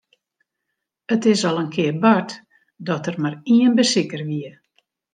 It is al in kear bard dat der mar ien besiker wie.